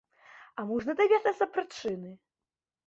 А можна даведацца прычыны?